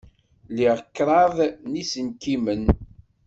Liɣ kraḍ n yiselkimen.